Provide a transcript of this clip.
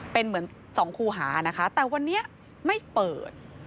เป็นเหมือนสองคู่หานะคะแต่วันนี้ไม่เปิด